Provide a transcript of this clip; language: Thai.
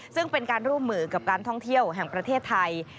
ซึ่งเป็นการร่วมมือกับการท่องเที่ยวแห่งประเทศไทย